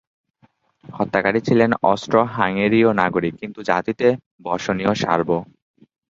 হত্যাকারী ছিলেন অস্ট্রো-হাঙ্গেরীয় নাগরিক, কিন্ত জাতিতে বসনীয় সার্ব।